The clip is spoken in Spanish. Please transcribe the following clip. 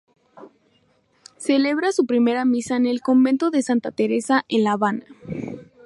Celebra su primera misa en el convento de Santa Teresa en La Habana.